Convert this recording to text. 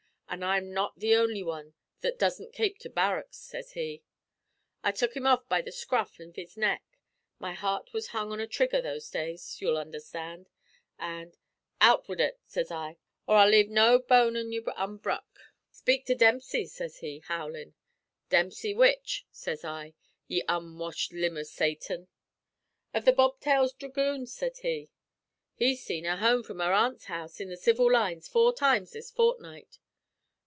'An' I'm not the only wan that doesn't kape to barricks,' sez he. I tuk him by the scruff av his neck my heart was hung on a hair trigger those days, you will understand an' 'Out wid ut,' sez I, 'or I'll lave no bone av you unbruk.' 'Speak to Dempsey,' sez he, howlin'. 'Dempsey which,' sez I, 'ye unwashed limb av Satan?' 'Of the Bobtailed Dhragoons,' sez he. 'He's seen her home from her aunt's house in the civil lines four times this fortnight.'